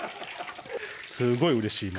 すごいうれしいです